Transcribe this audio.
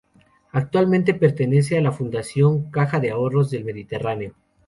Actualmente pertenece a la Fundación Caja de Ahorros del Mediterráneo.